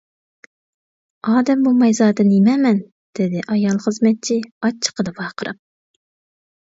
ئادەم بولماي زادى نېمە مەن-دېدى ئايال خىزمەتچى ئاچچىقىدا ۋارقىراپ.